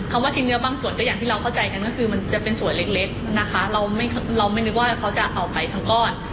คำว่าชิ้นเนื้อบ้างส่วนอย่างที่เราเข้าใจกันก็คือจะเป็นส่วนเล็กเราไม่นึกว่าเขาจะเอาไปทางก้อน